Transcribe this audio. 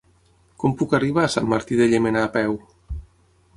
Com puc arribar a Sant Martí de Llémena a peu?